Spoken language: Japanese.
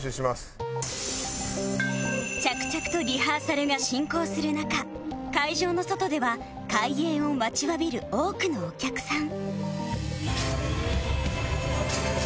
着々とリハーサルが進行する中会場の外では開演を待ちわびる多くのお客さん